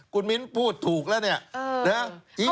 กุฎมินทร์พูดถูกแล้วเนี่ย